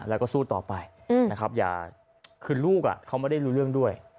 แล้วก็สู้ต่อไปนะครับอย่าคือลูกเขาไม่ได้รู้เรื่องด้วย